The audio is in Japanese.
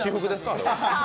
あれは。